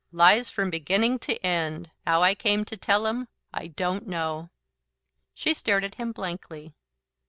"Lies from beginning to end. 'Ow I came to tell 'em I DON'T know." She stared at him blankly.